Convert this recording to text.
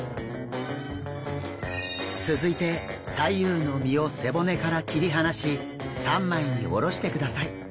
続いて左右の身を背骨から切り離し３枚におろしてください。